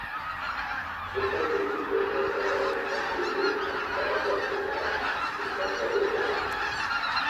L'épreuve de double voit quant à elle s'imposer Martina Navrátilová et Nadia Petrova.